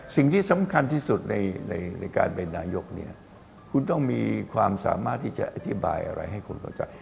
สิ่งที่สำคัญที่สุดในการเป็นนายกเนี่ยคุณต้องมีความสามารถที่จะอธิบายอะไรให้คุณเข้าใจ